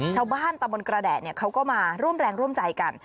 ชาวบ้านตะบนกระแดะเขาก็มาร่วมแรงร่วมใจกัน